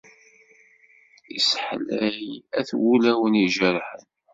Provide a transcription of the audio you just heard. Isseḥlay at wulawen ijerḥen.